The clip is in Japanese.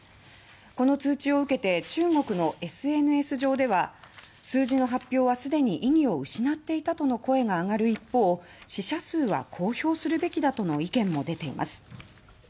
この通知を受けて中国のＳＮＳ上では数字の発表は既に意義を失っていたとの声が上がる一方死者数は公表するべきだとの意見も出ています。